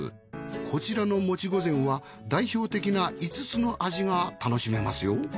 こちらのもち御膳は代表的な５つの味が楽しめますよ。